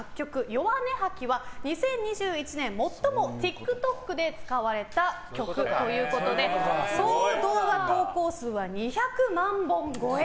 「ヨワネハキ」は２０２１年最もＴｉｋＴｏｋで使われた曲ということで総動画投稿数は２００万本超え。